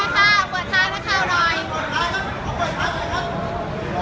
แม่ครึกเขาหัว